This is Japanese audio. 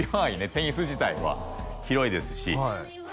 テニス自体は広いですしま